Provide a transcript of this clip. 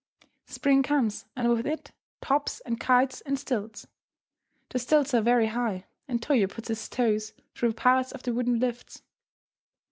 Spring comes, and with it, tops, and kites, and stilts. The stilts are very high, and Toyo puts his toes through parts of the wooden lifts.